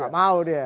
tak mau dia